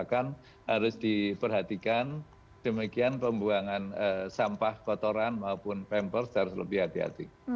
bahkan harus diperhatikan demikian pembuangan sampah kotoran maupun pampers harus lebih hati hati